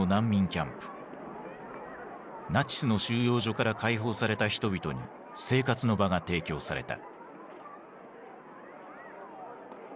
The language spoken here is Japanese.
ナチスの収容所から解放された人々に生活の場が提供された。